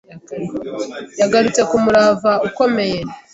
Yagarutse ku murava ukomeye